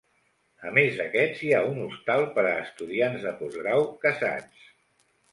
A més d'aquests, hi ha un hostal per a estudiants de postgrau casats.